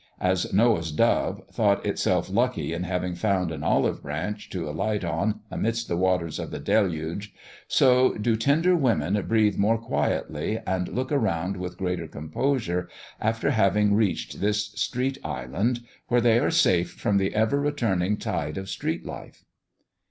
As Noah's dove thought itself lucky in having found an olive branch to alight on amidst the waters of the deluge, so do tender women breathe more quietly, and look around with greater composure, after having reached this street island, where they are safe from the ever returning tide of street life.